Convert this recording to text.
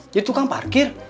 jadi tukang parkir